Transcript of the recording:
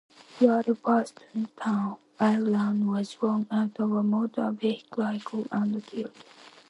Ward, of Parsonstown, Ireland, was thrown out of a motor vehicle and killed.